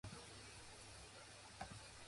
Waring also invested in real estate.